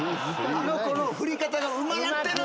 あの子の振り方がうまなってる。